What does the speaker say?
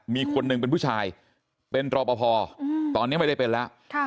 มีคนหนึ่งเป็นผู้ชายเป็นรอปภตอนนี้ไม่ได้เป็นแล้ว